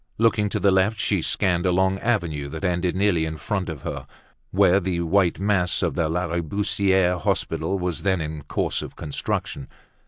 Looking to the left, she scanned a long avenue that ended nearly in front of her, where the white mass of the Lariboisiere Hospital was then in course of construction.